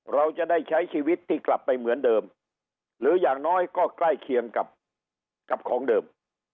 เราจะได้ใช้ชีวิตที่กลับไปเหมือนเดิมหรืออย่างน้อยก็ใกล้เคียงกับของเดิม